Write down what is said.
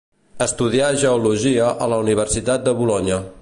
Estudià geologia a la Universitat de Bolonya.